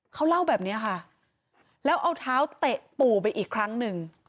เขาเล่าแบบนี้ค่ะแล้วเอาเท้าเตะปู่ไปอีกครั้งหนึ่ง